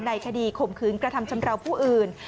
ในคดีขมขืนกระทำชำเลาผู้อื่น